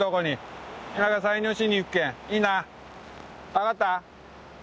・分かった？